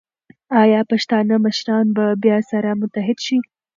ایا پښتانه مشران به بیا سره متحد شي؟